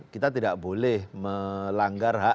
kita tidak boleh melanggar hak